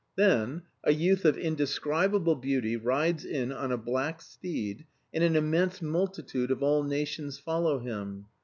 Then a youth of indescribable beauty rides in on a black steed, and an immense multitude of all nations follow him.